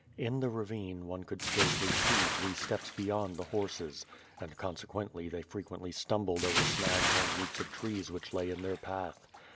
In the ravine one could scarcely see three steps beyond the horses, and consequently they frequently stumbled over snags and roots of trees which lay in their path.